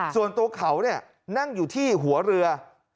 ส่วนตัวเขานั่งอยู่ที่หัวเรือ